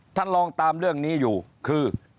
ท่านลองตามเรื่องนี้อยู่คือ